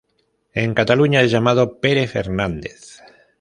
En Cataluña es llamado Pere Fernández.